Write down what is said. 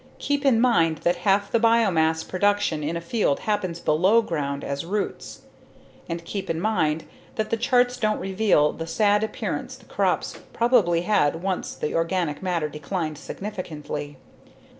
Keep in mind that half the biomass production in a field happens below ground as roots. And keep in mind that the charts don't reveal the sad appearance the crops probably had once the organic matter declined significantly.